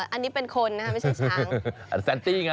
อันนี้เป็นคนนะไม่ใช่ช้าง